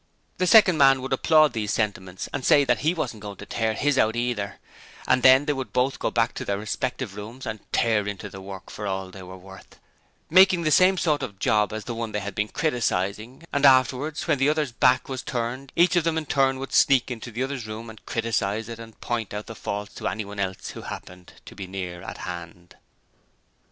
The second man would applaud these sentiments and say that he wasn't going to tear his out either: and then they would both go back to their respective rooms and tear into the work for all they were worth, making the same sort of 'job' as the one they had been criticizing, and afterwards, when the other's back was turned, each of them in turn would sneak into the other's room and criticize it and point out the faults to anyone else who happened to be near at hand.